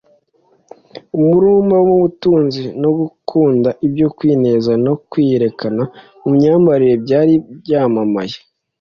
umururumba w'ubutunzi, no gukunda ibyo kwinezeza no kwiyerekana mu myambarire byari byamamaye.